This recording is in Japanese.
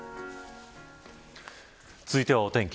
続いてはお天気。